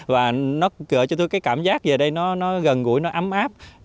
và nó cho tôi cái cảm giác về đây nó gần gũi nó ấm áp